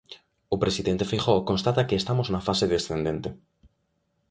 O presidente Feijóo constata que estamos na fase descendente.